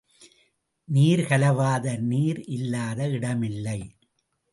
நீர்கலவாத நீர் இல்லாத இடமில்லை.